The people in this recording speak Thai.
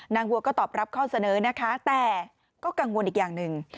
วัวก็ตอบรับข้อเสนอนะคะแต่ก็กังวลอีกอย่างหนึ่ง